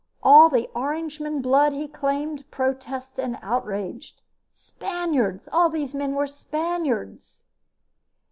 All the Orangeman blood he claimed protested in outrage. Spaniards! All these men were Spaniards!